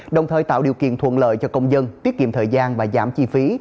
đồng thời tạo điều kiện thuận lợi cho công dân tiết kiệm thời gian và giảm chi phí